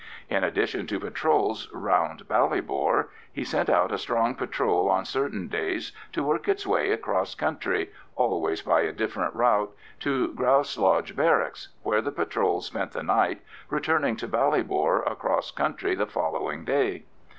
In addition to patrols round Ballybor, he sent out a strong patrol on certain days to work its way across country—always by a different route—to Grouse Lodge Barracks, where the patrol spent the night, returning to Ballybor across country the following day.